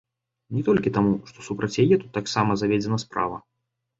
Не толькі таму, што супраць яе тут таксама заведзена справа.